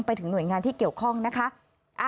ไปถึงหน่วยงานที่เกี่ยวข้องนะคะ